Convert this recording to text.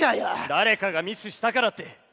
誰かがミスしたからって。